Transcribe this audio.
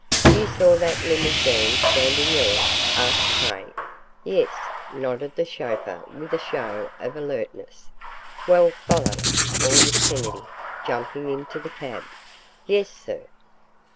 "You saw that limousine standing there?" asked Craig. "Yes," nodded the chauffeur with a show of alertness. "Well, follow it," ordered Kennedy, jumping into the cab. "Yes, sir."